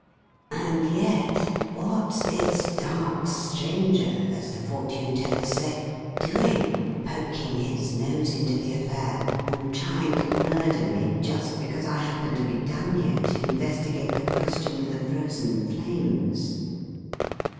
And yet, what's this dark stranger as the fortune tellers say doing, poking his nose into the affair, and trying to murder me, just because I happen to be down here to investigate the question of the Frozen Flames?...